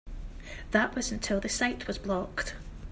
That was until the site was blocked.